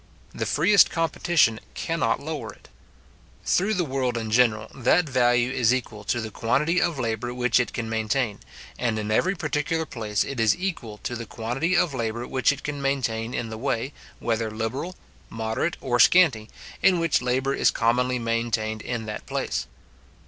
The freest competition cannot lower it, Through the world in general, that value is equal to the quantity of labour which it can maintain, and in every particular place it is equal to the quantity of labour which it can maintain in the way, whether liberal, moderate, or scanty, in which labour is commonly maintained in that place.